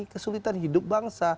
kesulitan hidup bangsa